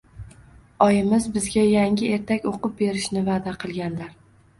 Oyimiz bizga yangi ertak o‘qib berishni va’da qilganlar”.